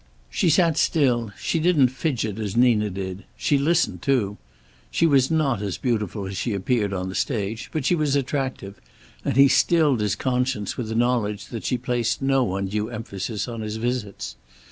She sat still. She didn't fidget, as Nina did. She listened, too. She was not as beautiful as she appeared on the stage, but she was attractive, and he stilled his conscience with the knowledge that she placed no undue emphasis on his visits.